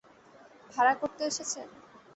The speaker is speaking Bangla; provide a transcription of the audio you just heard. ভাড়া করতে এসেছে?